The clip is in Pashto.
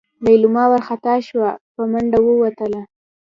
لېلما وارخطا شوه په منډه ووتله.